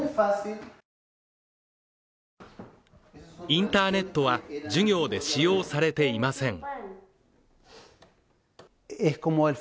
インターネットは授業で使用されていません。